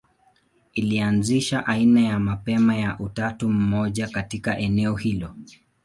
Ilianzisha aina ya mapema ya utatu mmoja katika eneo hilo.